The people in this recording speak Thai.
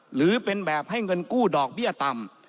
หรือเป็นแบบให้เงินกู้ดอกเบี้ยต่ำ